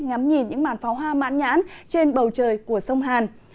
ngắm nhìn những màn pháo hoa mãn nhãn trên bầu trời của sông hàn